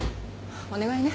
お願いね。